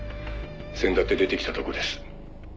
「せんだって出てきたとこです」